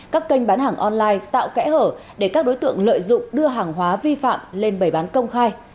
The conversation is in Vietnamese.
các kênh bán hàng online tạo kẽ hở để các đối tượng lợi dụng đưa hàng hóa vi phạm lên bày bán công khai